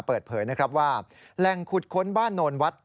เปิดเผยนะครับว่าแหล่งขุดค้นบ้านโนนวัด